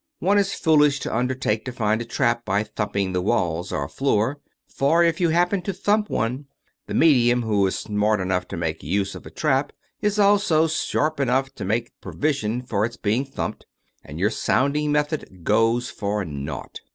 One is foolish to undertake to find a trap by thumping the walls or floor; for, if you happen to thump one, the medium who is smart enough to make use of a trap is also sharp enough to make provision for its be ing thumped, and your sounding method goes for naught.